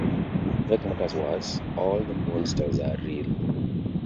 To make matters worse, all the monsters are real.